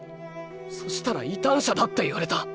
そしたら異端者だって言われた。